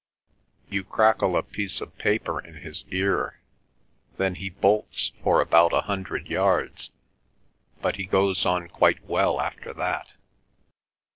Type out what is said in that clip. "You crackle a piece of paper in his ear, then he bolts for about a hundred yards, but he goes on quite well after that."